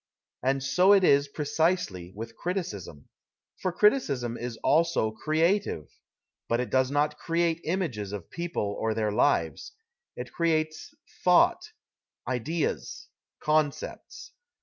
And so it is, precisely, with criticism. For criticism is also " creative. " But it does not create images of people or their lives ; it creates thought, ideas, concepts.